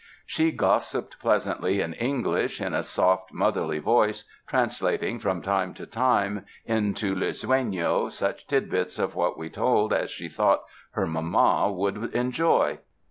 She gossiped pleas 97 UNDER THE SKY IN CALIFORNIA antly in English, in a soft, motherly voice, trans lating, from time to time, info Luiseiio such tidbits of what we told as she thought her mama would enjoy.